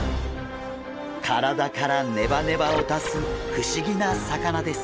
体からネバネバを出す不思議な魚です。